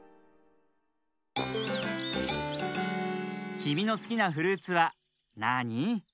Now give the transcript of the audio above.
きみのすきなフルーツはなあに？